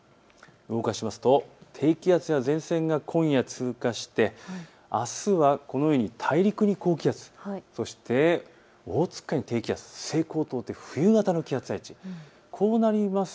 動かしますと低気圧や前線が今夜通過してあすはこのように大陸に高気圧、そしてオホーツク海に低気圧、西高東低冬型の気圧配置です。